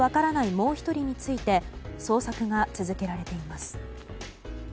もう１人について捜索が続けられています。